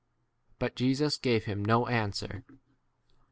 But Jesus gave him no 10 answer.